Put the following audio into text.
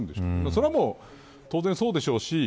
それは当然そうでしょうし